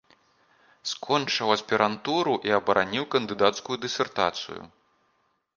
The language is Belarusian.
Скончыў аспірантуру і абараніў кандыдацкую дысертацыю.